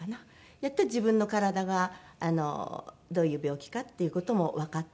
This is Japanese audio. やっと自分の体がどういう病気かっていう事もわかって。